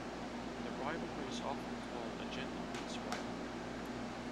The rivalry is often called a Gentlemen's Rivalry.